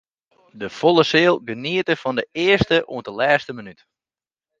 De folle seal geniete fan de earste oant de lêste minút.